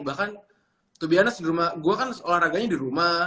bahkan to be honest rumah gue kan olahraganya di rumah